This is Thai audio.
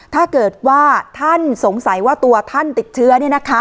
ถ้าเกิดว่าท่านสงสัยว่าตัวท่านติดเชื้อ